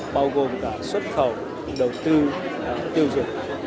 bao gồm cả xuất khẩu đầu tư tiêu dùng